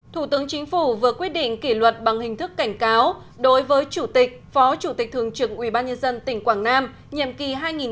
thủ tướng chính phủ vừa quyết định kỷ luật bằng hình thức cảnh cáo đối với chủ tịch phó chủ tịch thường trực ubnd tỉnh quảng nam nhiệm kỳ hai nghìn một mươi sáu hai nghìn hai mươi một